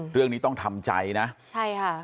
เรื่องนี้ต้องทำใจนะใช่ค่ะ